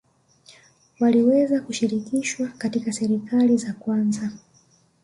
Waliweza kushirikishwa katika serikali za kwanza